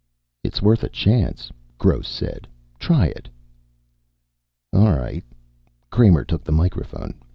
"It's worth a chance," Gross said. "Try it." "All right." Kramer took the microphone.